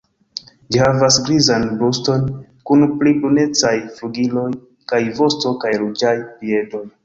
Ĝi havas grizan bruston kun pli brunecaj flugiloj kaj vosto kaj ruĝaj piedoj.